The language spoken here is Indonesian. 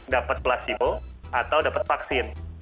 dapat placebo atau dapat vaksin